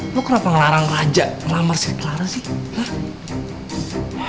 lo kenapa ngelarang raja ngelamar si clara sih